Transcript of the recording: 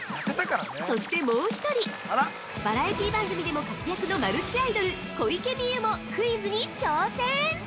◆そして、もう一人バラエティ番組でも活躍のマルチアイドル小池美由もクイズに挑戦！